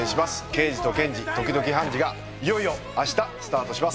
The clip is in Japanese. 『ケイジとケンジ、時々ハンジ。』がいよいよ明日スタートします。